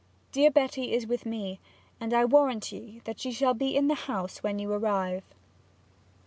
Dear Betty is with me, and I warrant ye that she shall be in the House when you arrive.'